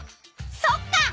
そっか。